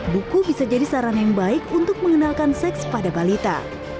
buku bisa jadi saran yang baik untuk mengenalkan seks pada balita